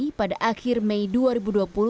berdasarkan data dinas ketenaga kerjaan bali